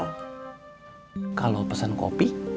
gak usah pesen kopi